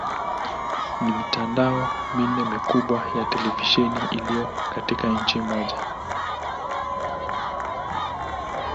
Ni mitandao minne mikubwa ya televisheni iliyo katika nchi moja.